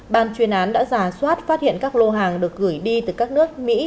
ban chuyên án đã giả soát phát hiện các lô hàng được gửi đi từ các nước mỹ